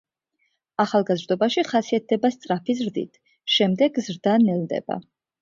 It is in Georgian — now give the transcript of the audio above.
ახალგაზრდობაში ხასიათდება სწრაფი ზრდით, შემდეგ ზრდა ნელდება.